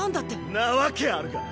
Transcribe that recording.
んなわけあるか！